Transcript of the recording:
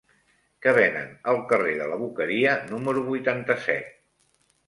Què venen al carrer de la Boqueria número vuitanta-set?